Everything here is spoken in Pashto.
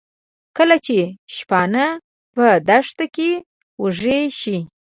کله چې شپانه په دښته کې وږي شي.